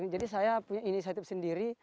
jadi saya punya inisiatif sendiri